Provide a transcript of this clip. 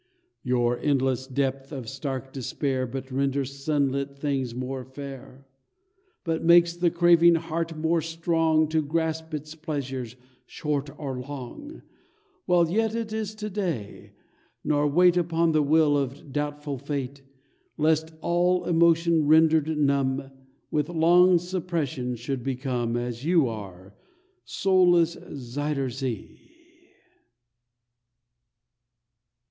Your endless depth of stark despair But renders sunlit things more fair, But makes the craving heart more strong To grasp its pleasures, short or long, While yet it is To day, nor wait Upon the will of doubtful fate, Lest all emotion rendered numb With long suppression should become As you are, soulless Zuyder Zee!